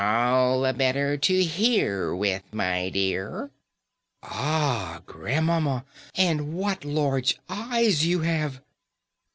"All the better to hear with, my dear." "Ah! grandmamma, and what large eyes you have."